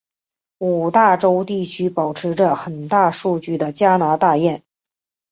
五大湖地区保持着很大数目的加拿大雁。